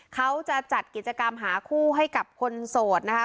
เขาจะจัดกิจกรรมหาคู่ให้กับคนโสดนะคะ